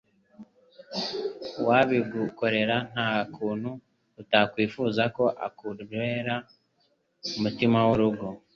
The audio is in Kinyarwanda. uwabigukorera nta kuntu utakwifuza ko akubera mutima w'urugo